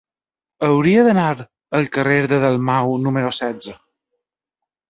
Hauria d'anar al carrer de Dalmau número setze.